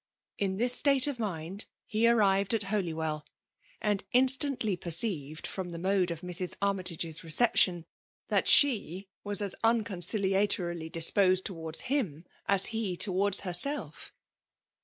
In this state of mind, he arrived at Holy well; and instantly perceived^ from the mode of Mrs. Armytage*s reception, that she wk& as unconciliatorily disposed towards him as he towards herself.